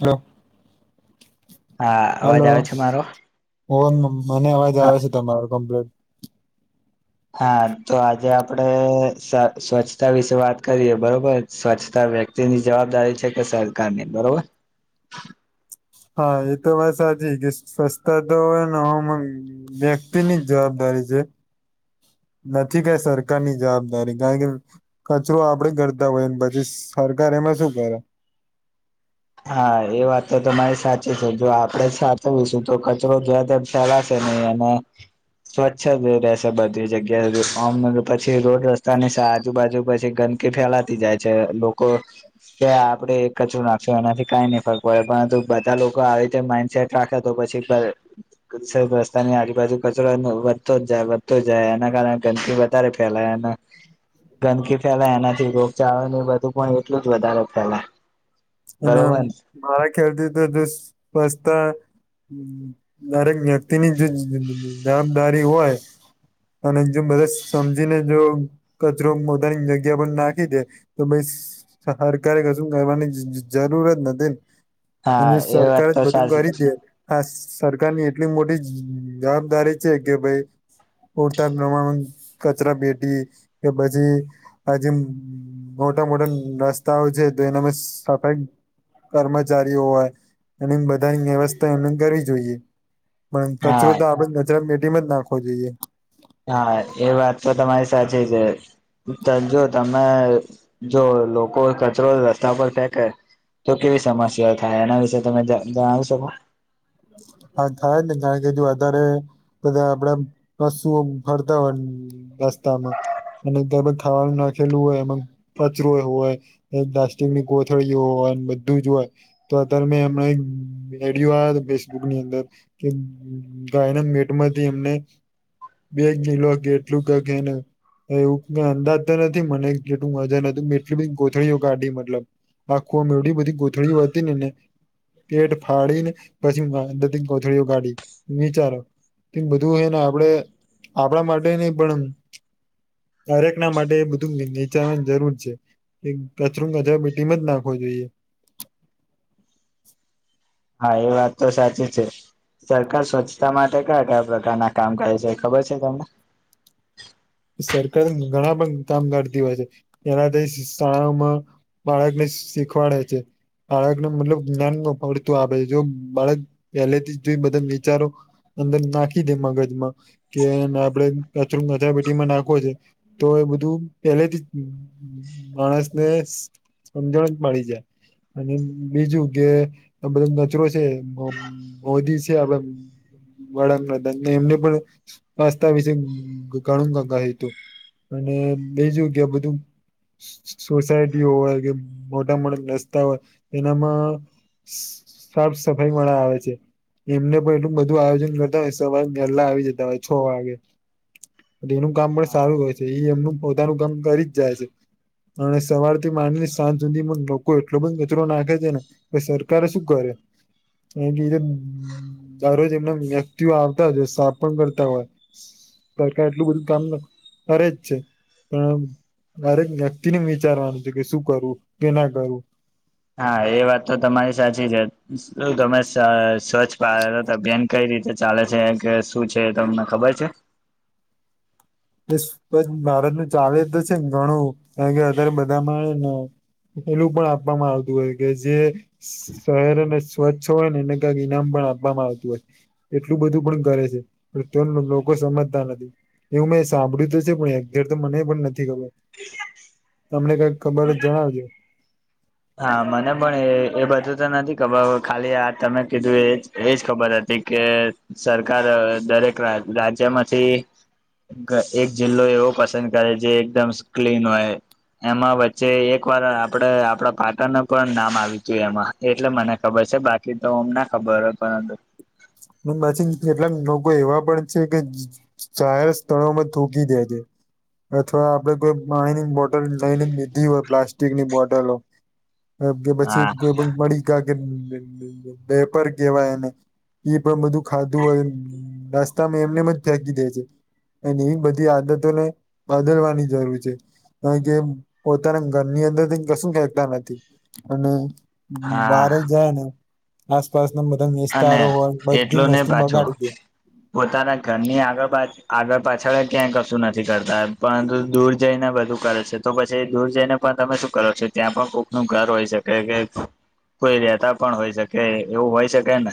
Hello. હા અવાજ hello આવે છે મારો ઓ મને અવાજ હા આવે છે તમાર કમ્પ્લેટ. હા તો આજે આપડે સ્વચ્છતા વિશે વાત કરીએ. બરોબર સ્વચ્છતા વ્યક્તિ ની જવાબદારી છે કે સરકારની બરોબર. હા એ તો વાત સાચી કે સ્વચ્છતા તો હોયને હ વ્યક્તિ ની જ જવાબદારી [inaudible] [inaudible] નથી કઈ સરકારની જવાબદારી કારણ કે કચરો આપડે કરતા હોયને પછી સરકાર એમ ત શું કરે. [inaudible] હા એ વાત તો તમારી સાચી છે. જો આપડે જ સાચવવીશું તો કચરો જ્યા ત ફેલાશે અને એના સ્વચ્છ જ રહેશે બધી જગ્યા સુધીમ પછી રોડ રસ્તાની આજુબાજુ પછી કે ફેલાતી જાય છે. લોકો કે આપડે કચરો નાખ એનાથી કઈ નઈ ફરક પડે પરંતુ બધા લોકો આવી રીતે માઈન્ડસેટ રાખે તો પછી રસ્તાની આજુબાજુ કચરો વધતો જ જાય વધતો જાય એના કારણે ગંદકી વધારે ફેલાય એના ગંદકી ફેલાય એનાથી રોગચાળો ને બધું પણ એટલું જ વધારે ફેલાય. અને બરોબર ને મારા ખ્યાલથી તો જે સ્સ્તા દરેક વ્યક્તિની જે જવાબદારી હોય અને જો બધા સમજીને જો કચરો પોતાની જગ્યા પણ નાખી દે તો સરકારે કશું કરવાની જરૂરત નથી ને હા અને એ વાત સરકાર જ તો બધું સાચી કરી દે હા સરકારની એટલી મોટી જવાબદારી છે કે ભાઈ પૂરતા પ્રમાણ કચરા પેટી કે પછી હજ મોટા મોટા રસ્તાઓ છે તો એના સફાઈ કર્મચારીઓ હોય એની બધાની વ્યવસ્થા એને કરવી જોઈએ. પણ કચરો હા તો આપડણે કચરા મેટીમાં જ નાખવો જોઈએ. હા એ વાત તો તમારી સાચી છે. ત જો તમે જો લોકો કચરો રસ્તા પર ફેંકે તો કેવી સમસ્યા થાય એના વિશે તમે જણાવી શકો હા થાય જ ને કારણ કે જો વધારે બધા આપડે પશુ ફરતા હોય હ રસ્તામાં અને ગરબગ ખાવાનું નાખેલું હોય એમાં કચરો હોય એક પ્લાસ્ટિક ની ગોથળીઓ હોય બધું જ હોય તો અત્યારે મે એમ રડ ની અંદર કે ગાયના મેટમાંથી એમને બેગ નની લોગે એટલું ક કેને એવું કઈ અંદાજ તો નથી મને જેટલું મજા નથીતું મેં એટલી બધી ગથળીઓ કાઢી મતલબ આખું મેવ બધી ગોથળી વધીનેને પેટ ફાળને પછી અંદર કોથળીું ગાડી વિચારો બધું હ ને આપડે આપણા માટે નહ પણ [unintelligible] દરેક ના માટે બધું નીચાવાની જરૂર છે કચરું કજર ટીમ જ નાખવો જોઈએ હા એ વાત તો સાચી છે સરકાર સ્વચ્છતા માટે કયા કયા પ્રકારના કામ કરે છે ખબર છે તમને સરકાર ઘણા પણ કામ કરતી હોય છે એનાથી શાળાઓમાં બાળકને શીખવાડ છે બાળકને મતલબ જ્ઞાન પડતું આવે જો બાળક પહેલેથી જોઈ બધા વિચારો અંદર નાખી દે મગજમાં કે આપડે કચરું નાખો છે તો એ બધું પેલેથી માણસને સમજણ જ મળી જાય અને બીજું કે બધા નચરો છે મોદી છે આપ વડા પ્રધાન એમને પણ પાસ્તા વિશે ઘણું હતું અને બે જગ્યા બધું સોસાયટીઓ હોય કે મોટા મોટા રસ્તા હોય એનામાં સાફ સફાઈ મા આવે છે એમને પણ એટલું બધું આયોજન કરતા હોય સવારે મેહેલા આવી જતા હોય છ વાગે એનું કામ પણ સારું હોય છે એ એમનું પોતાનું કામ કરી જ જાય છે અને સવાર થી માની સાંજ સુધીમાં લોકો એટલો બધ કચરો નાખે છે ને કે સરકારે શું કરે એ બી તો દર રરોજ એમના મ્યત્યુ આવતા હોય સ્થાપન કરતા હોય એટલું બધું કામ કર જ છે પણ દરેક વ્યક્તિને વિચારવાનું છે કે શું કરવું કે ના કરવું હા એ વાત તો તમારી સાચી છે શું તમે સ્વચ્છ ભારત અભિયાન કરી રીતે ચાલે છે કે શું છે તમને ખબર છે એ ભારત ન ચાલે તો છે ને ઘણું કારણ કે અત્યારે બધામાં આવે ને એેલું પણ આપવામાં આવતું હોય કે જે શહેર અને સ્વચ્છ હોય ને એને ક્યાંક ઈનામ આપવામાં આવતું હોય એટલું બધું પણ કરે છે તે લોકો સમજતા નથી એવું મેં સાંભળ્યું તો છે પણ એક ઘેર તો મને પણ નથી ખબર તમને કઈ ખબર જ જણાવજો હા મને પણ એ એ બધું તો નથી ખબર ખાલી આ તમે કીધું એ એજ ખબર હતી એ કે સરકાર દરેક રાજ્યમાંથી એક જિલ્લો એવો પસંદ કરે જે એકદમ ક્લીન હોય એમાં વચ્ચે એક વાર આપડે આપડા પાટણનું પણ નામ આવ્યું હતું એમાં એટલે મને ખબર છે બાકી તોમ ના ખબર હોય પરંતુ પછી કેટલાક લોકો એવા પણ છે કે ચહેર સ્થળોમાં થૂકી દે છે અથવા આપડે કોઈ પાણીની બોટલ લઈને લીધી હોય પ્લાસ્ટિકની બોટલો કે પછી હા કોઈ મળી ગ કે બેેપર કેવાય એને એ પણ બધું ખાધું હોય નાસ્તામાં એમનેજ ફેકી દે છે એ એ બધી આદતોને બદલવાની જરૂર છે કાર કે પોતાના ઘરની અંદર કશું કતા નથી અને હા બાર જ જાય ને આસપાસ ના બધા અને વિસ્તારો હોય બધી એટલું નહી વસ્તુ પાછો બગાડી દે પોતાના ઘરની આગળ બા આગળ પાછળ ક્યાંય કશું નથી કરતા પરંતુ દૂર જઈને બધું કરે છે તો પછી દૂર જઈને પણ તમે શું કરો છો ત્યાં પણ કોૂક નું ઘર હોય શકે કે કોઈ રતા પણ હોય શકે એવું હોય શકે ને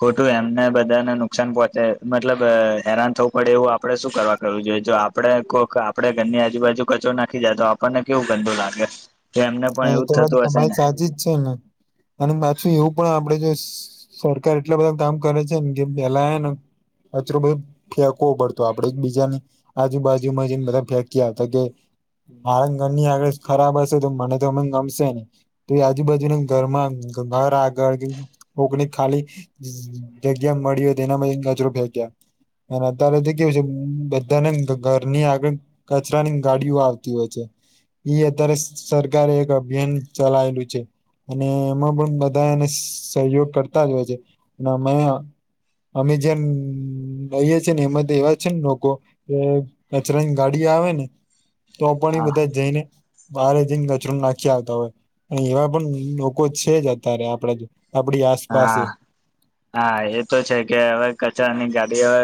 ખોટું એમને બધાને નુકસાન પહોંચે મતલબ હેરાન થવું પડે એવું આપડે શું કરવા કેવું જોઈએ જો આપડે કોઈક આપડે ઘરની આજુબાજુ કચો નાખી જાય તો આપણને કેવું ગંદુ લાગે તો એમને પણ હા એ એવું તો જ વા થતું હશે તમારી ને સાચી જ છે ને અને પાછું એવું પણ આપ સરકાર એટલા બધા કામ કરે છે ને જે પેલા ને અચરો ભાઈ ફેંકવો પડતો આપડે એક બીજાની આજુબાજુમાં જેને બધા ફેંક્યા હતા કે બાળ ઘર ની આગળ ખરાબ હશે તો મને તમને ગમશે ને તો એ આજુબાજુને ઘરમાં ઘર આગળ કોકને ખાલી જગ્યા મળી હોય એનામાં કજરો ભે ગયા અને અત્યારે તો કેવું છે બધાને ઘરની આગળ કચરાની ગાડીઓ આવતી હોય છે અત્યારે સરકારે એક અભિયાન ચલાયલું છે અને એમાં પણ બધા એને સહયોગ કરતા જ હોય છે અને અમે અમે જેમ લઈએ છેીએ ને એમાં તો એવા છે ને લોકો કે કચરાની ગાડી આવે ને તો પણ એ હા બધા જઈને બારે જઈને નાખી આવતા હોય એવા પણ લોકો છે જ અત્યારે આપણે હા હા એ તો છે કે હવે કચરાની ગાડી હવે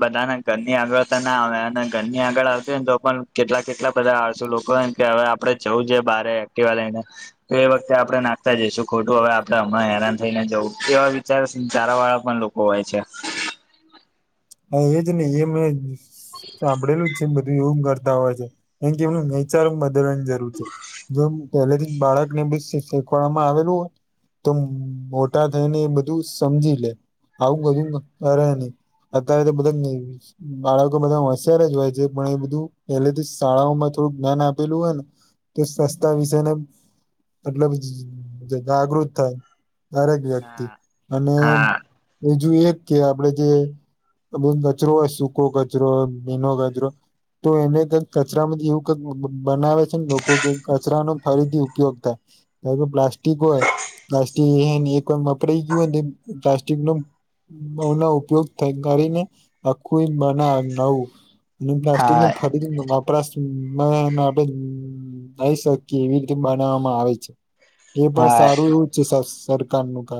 બધાને ઘરની આગળ તો ના આવે અને ઘરની આગળ આવતી ને તો કેટલા કેટલા બધા આવસુ લોકો કે હવે આપડે જવું બારે એક્ટિવા લઈને તો એ વખતે આપણે નાખતા જઈશું ખોટું હવે આપણે હણા હેરાન થઈ ને જવું એવા વિચાર ચારા વાળા પણ લોકો હોય છે હા એજ નહી એ મેં સાંભળેલું એવું કરતા હોય છે એમ કે એમ ચાર બદલવાની જરૂર છે જો પહેલેથી બાળક શખવામાં આવેલું હો તો મોટા થઈને એ બધું સમજી લે આવું કધું કરે નહી અત્યારે તો બધા બાળકો બધા હોશયાર જ હોય છે પણ એ બધું એેલેથી શાળાઓમાં થોડું જ્ઞાન આપેલું હોય ને તો સસ્તા વિશે ને એટલબ જાગૃત થાય દરેક વ્યક્તિ હા અને હા બીજું એક કે આપણેે જે બધ કચરો હોય સૂકો કચરો મીનો કચરો તો એને કઈક કચરામાંથી એવું કઈક બનાવે છે ને લોકો કે કચરાનો ફરીથી ઉપયોગ થાય કાર પ્લાસ્ટિક હોય પ્લાસ્ટિક એ એક વાર વપરાય ગયું હો પ્લાસ્ટિક ન બ ના ઉપયોગ કરીને આખું બના નવું અને પ્લાસ્ટિકને હા ફરીથી પ્રશ્ન આપણેઈ શકીએ એવી રીતે બનાવવામાં આવે છે એ પણ હા સારું એવું જ છે સરકારનું ક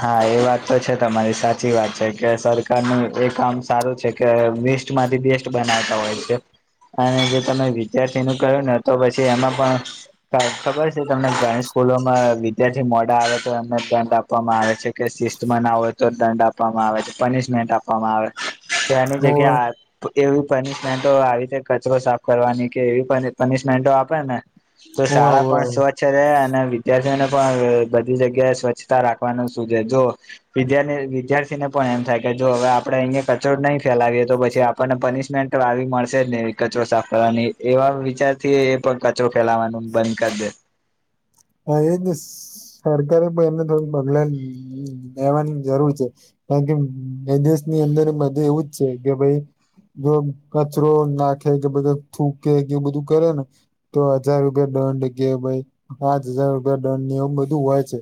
હા એ વાત તો છે તમારી સાચી વાત છે કે સરકારનું એ કામ સારું છે કે બેસ્ટ માંથી બેસ્ટ બનાવતા હોય છે અને જો તમે વિદ્યાર્થી ન કર્યું ને તો પછી એમાં પણ ખબર છે તમને ઘણી સ્કૂલોમાં વિદ્યાર્થી મોડા આવે તો એમને ત્યા આપવામાં આવે છે કે શિસ્તમાં ના હોય તો દંડ આપવામાં આવે છે પનિશમેન્ટ આપવામાં આવે તેની હોવે જગ્યા એવી પનિશમેન્ટો આવી છે કચરો સાફ કરવાની કે એવી પનિશમેન્ટો આપે ને તો હોવે શાળા પણ હોવે સ્વચ્છ રહે અને વિદ્યાર્થીઓને પણ બધી જગ્યાએ સ્વચ્છ રાખવાનું શ છે જો વિાર વિદ્યાર્થીને પણ એમ થાય કે જો હવે આપડે અહીંયા કચોડ નહી લ તો પછી આપણને પનિશમેન્ટ આવી મળશે જ નને કચરો સાફ કરવાની એવા વિચાર થી પણ કચરો ફેલાવાનું બંધ કરી દે હા એજ સરકારે પણ એમને થોડું પગલા લેવાની જરૂર છે કારણ કે એ દેશની અંદર મધ એવું જ છે કે ભાઈ જો કચરો નાખે કે બધ થૂકે કે બધું કરે ને તો હજાર રૂપિયા એ કે ભાઈ પાંચ હજાર રૂપિયા દંડ ની એમ બધું હોય છે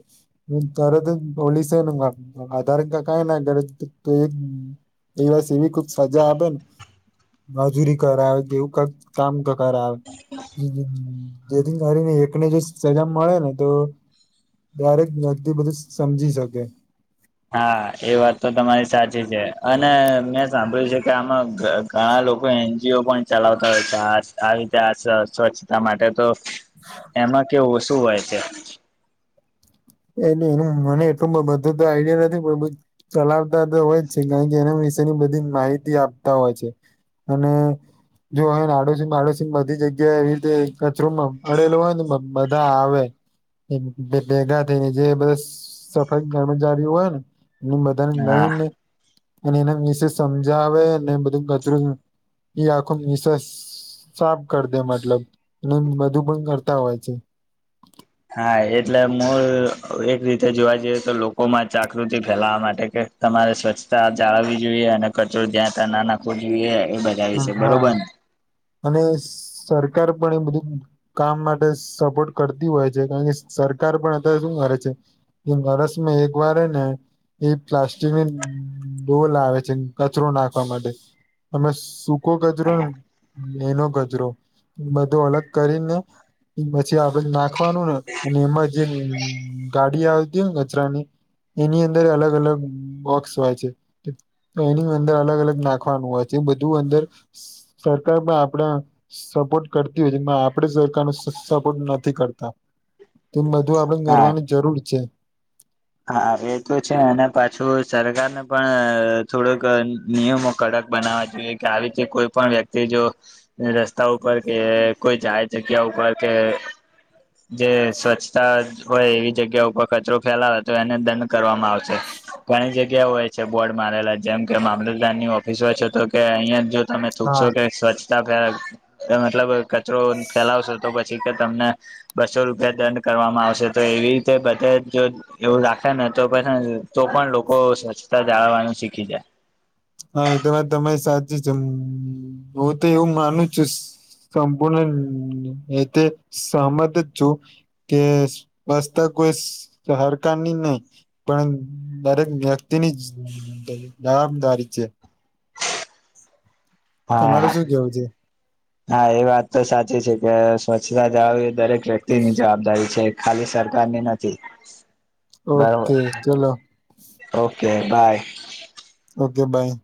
તરત જ પોલીસે આધાર કારડ ક ના ઘ એવી ખ સજા આપે ને મજૂરી કરાવ જેવું કઈ કામ કરાવ હ જેથી ને એકને જે સજા મળે ને તો દરેક વ્યક્તિ બધું સમજી શકે હા એ વાત તો તમારી સાચી છે અને મેં સાંભળ્યું છે કે આમાં ઘણા લોકો એનજીઓ પણ ચલાવતા હોય છે આ આ રીતે આ સ્વચ્છતા માટે તો એમાં કેવું શું હોય છે એ એનું મને એટલું બધું તો આઈડિયા નથી પણ બ ચલાવતા તો હોય જ છે કારણ કે એને વિશેની બધી માહિતી આપતા હોય છે અને જો હોય ને આડોશી પાડોશી બધી જગ્યા એવી રીતે કચરોમાં અડેલોું હોય ને બધા આવે એ બેગ જે બધ સફાઈ કર્મચારીઓ હોય ને એને બધાને હા લઈને અને એને મિસેસ સમજાવે અને બધું કચરું આખું મિસેસ સાફ કરી દે મતલબ અને બધું પણ કરતા હોય છે હા એટલે હું એક રીતે જોવા જઈએ તો લોકોમાં જાગૃતિ ફેલાવા માટે કે તમારે સ્વચ્છતા જાળવવી જોઈએ અને કચરો જ્યાં ત્યાં ના નાખવો જોઈએ એ બધા હમ વિશે હા બરોબર ને અને સરકાર પણ એ બધું કામ માટે સપોર્ટ કરતી હોય છે કારણ કે સરકાર પણ અત શું રસ મે એક વાર ને એ પ્લાસ્ટિકની ડોલ આવે છે કચરો નાખવા માટે અમે સૂકો ગજરો ને એનો ગજરો બધો અલગ કરીને પછી આપડ નાખવાનું ને અને એમાં જે ગાડી આવતી ને કચરાની એની અંદર અલગ અલગ બોક્સ હોય છે તો એની અંદર અલગ અલગ નાખવાનું હોય છે બધ અંદર સરકાર પણ આપડા સપોર્ટ કરતી હોય છેમાં આપણે સરકાર ન નથી કરતા હ એ બધું આપડણે કરવારની જરૂર છે હા એ તો છે અને પાછું સરકારને પણ થોડોક નિયમો કડક બના જોઈએ કે આવી કોઈ પણ વ્યક્તિ જો રસ્તા ઉપર કે કોઈ જાય જગ્યા ઉપર કે જે સ્વચ્છતા હોય એવી જગ્યા ઉપર કચરો ફેલા તો એને દંડ કરવામાં આવશે ઘણી જગ્યા ્યા હોય છે બોર્ડ મારેલા જેમ કે મામલતદાર ની ઓફિસ હોય છે તો કે અહિયાં જો તમે હા ચૂકશો કે સ્વચ્છતા મતલબ કચરો ફેલાવશેો તો પછી કે તમને બસો રૂપિયા દંડ કરવામાં આવશે તો એવી રીતે બધા જો એવું રાખે ને તો પછી તો પણ લોકો સ્વચ્છતા જાળવવાનું શીખી જાય હા એ તો તમારી સાચી છે હું તો એવું માનું છુ સંપૂર્ણ એતે સહમત જ છુ કે પસ્તક સરકારની નહી પણ દરેક વ્યક્તિની આમ ધારી છેે તમારે હા શું કેવું છે હા એ વાત તો સાચી છે કે સ્વચ્છતા જવા એ દરેક વ્યક્તિ ની જવાબદારી છે ખાલી સરકારની નથી ઓકે ચલો ઓકે બાય ઓકે બાય